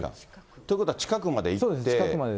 ということは近くまで行って？